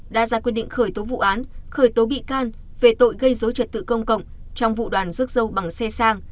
đã ra quyết định khởi tố vụ án khởi tố bị can về tội gây dối trật tự công cộng trong vụ đoàn rước dâu bằng xe sang